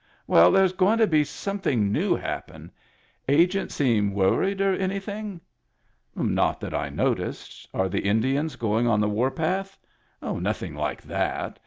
Well, there's going to be some thing new happen. Agent seem worried or any thing?" Not that I noticed. Are the Indians going on the war path ?"" Nothing like that.